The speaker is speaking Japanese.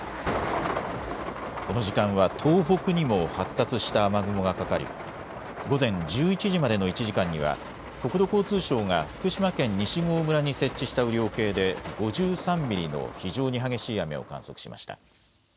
この時間は東北にも発達した雨雲がかかり午前１１時までの１時間には国土交通省が福島県西郷村に設置した雨量計で５３ミリの非常に激しい雨を観測しました。